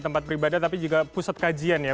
tempat beribadah tapi juga pusat kajian ya